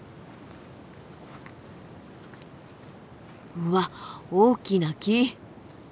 うわっ大きな木！